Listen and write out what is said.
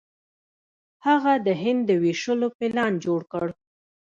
هغه د هند د ویشلو پلان جوړ کړ.